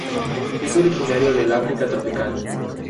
Es originario del África tropical.